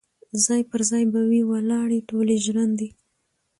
ځاي پر ځای به وي ولاړي ټولي ژرندي